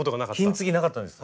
金継ぎなかったんです。